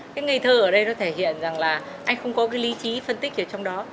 cái ngây thơ ở đây nó thể hiện rằng là anh không có cái lý trí phân tích ở trong đó